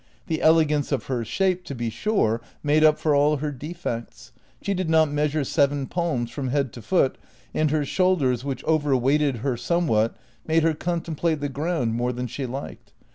The elegance of her shape, to be sure, made up for all her defects ; she did not measure seven palms from head to foot, and her shoulders, which over weighted her somewhat, made her conteuiplate the ground more than she liked.